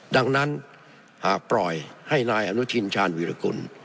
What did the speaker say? ดังนั้นหากปล่อยให้นายอนุทินชาญวิรากุล